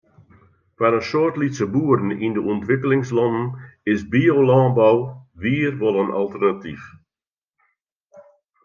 Foar in soad lytse boeren yn de ûntwikkelingslannen is biolânbou wier wol in alternatyf.